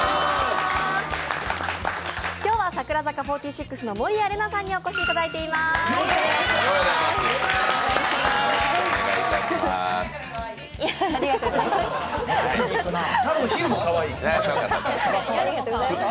今日は櫻坂４６の守屋麗奈さんにお越しいただいています。